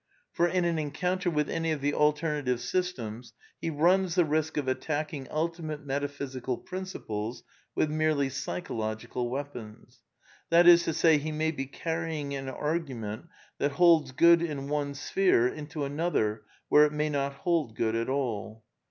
For in an encounter with any of the alternative systems he runs the risk of attacking ultimate metaphysical principles with merely psychological weapons ; that is to say, he may I be carrying an argument that holds good in one sphere into I another where it may not hold good at all.